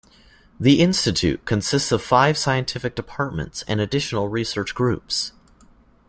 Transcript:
The Institute consists of five scientific departments and additional research groups.